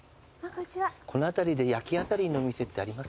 この辺りで焼きあさりのお店ってありますか？